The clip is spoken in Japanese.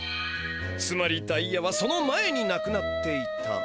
つまりダイヤはその前になくなっていた。